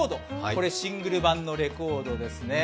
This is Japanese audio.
これ、シングル盤のレコードですね